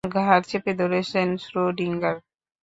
ঘাড় চেপে ধরেছেন শ্রোডিঙ্গার।